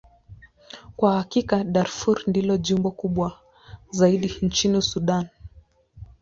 Kwa hakika, Darfur ndilo jimbo kubwa zaidi nchini Sudan.